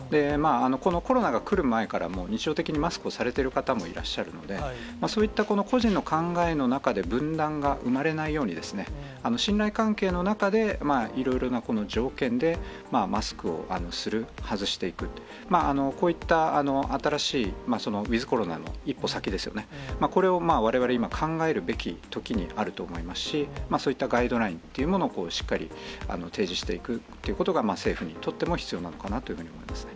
このコロナが来る前からも日常的にマスクをされてる方もいらっしゃるので、そういった個人の考えの中で分断が生まれないように、信頼関係の中で、いろいろな条件でマスクをする、外していく、こういった新しいウィズコロナの一歩先ですよね、これをわれわれ今、考えるべき時にあると思いますし、そういったガイドラインというものをしっかり提示していくってことが、政府にとっても必要なのかなと思います。